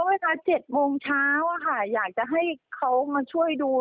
เวลา๗โมงเช้าอะค่ะอยากจะให้เขามาช่วยดู